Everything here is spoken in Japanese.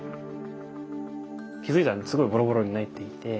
気付いたらすごいボロボロに泣いていて。